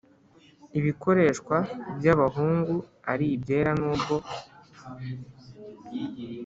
ibikoreshwa by abahungu ari ibyera nubwo